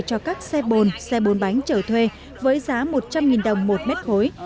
cho các xe bồn xe bồn bánh chở thuê với giá một trăm linh đồng một mét khối